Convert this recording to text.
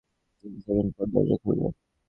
তিন সেকেন্ড পর, দরজা খুলবে।